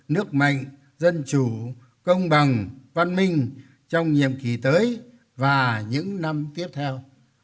nước mạnh dân chủ công bằng văn minh trong nhiệm kỳ tới và những năm tiếp theo